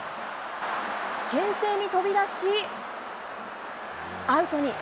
けん制に飛び出し、アウトに。